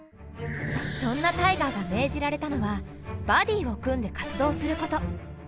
そんなタイガーが命じられたのはバディを組んで活動すること。